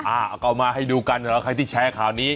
อะเอามาให้ดูกันกันแล้วใครที่แชร์ข่าวนี้